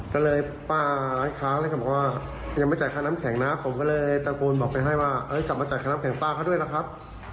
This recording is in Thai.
ก็เลยป้าร้านค้าเลยก็บอกว่ายังไม่จ่ายค่าน้ำแข็งนะผมก็เลยตะโกนบอกไปให้ว่ากลับมาจ่ายค่าน้ำแข็งป้าเขาด้วยล่ะครับ